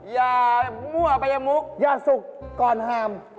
อย่ามั่วไปมุกอย่าสุกก่อนหาม